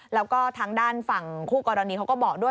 แล้วก็ทางด้านฝั่งคู่กรณีเขาก็บอกด้วย